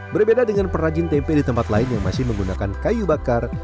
berbeda dengan perajin tempe di tempat lain yang masih menggunakan kayu bakar